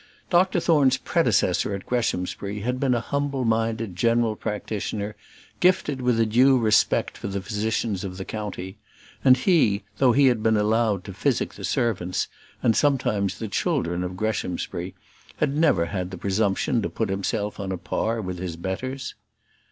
Dr Thorne's predecessor at Greshamsbury had been a humble minded general practitioner, gifted with a due respect for the physicians of the county; and he, though he had been allowed to physic the servants, and sometimes the children of Greshamsbury, had never had the presumption to put himself on a par with his betters.